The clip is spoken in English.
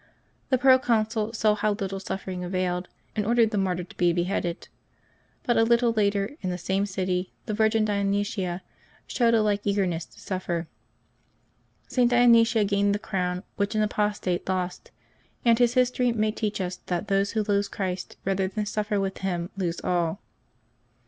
The proconsul saw how little suffer ing availed, and ordered the martyr to be beheaded. But a little later, in the same city, the virgin Dionysia showed a like eagerness to suffer. St. Dionysia gained the crown which an apostate lost, and his history may teach us that those who lose Christ rather than suffer with Him lose all.